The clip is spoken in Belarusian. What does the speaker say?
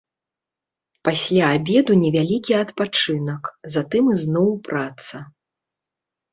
Пасля абеду невялікі адпачынак, затым ізноў праца.